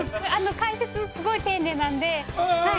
解説、すごい丁寧なので、はい。